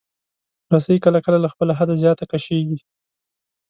رسۍ کله کله له خپل حده زیات کشېږي.